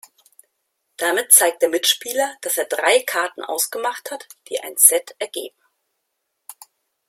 Damit zeigt der Mitspieler, dass er drei Karten ausgemacht hat, die ein Set ergeben.